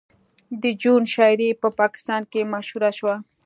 د جون شاعري په پاکستان کې مشهوره شوه